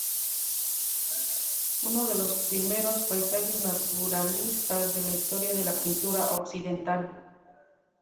Uno de los primeros paisajes naturalistas de la historia de la pintura occidental.